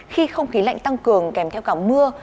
khi không khí lạnh tăng cường kèm theo cả mưa